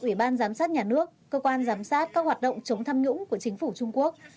ủy ban giám sát nhà nước cơ quan giám sát các hoạt động chống tham nhũng của chính phủ trung quốc